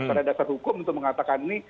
karena dasar hukum untuk mengatakan ini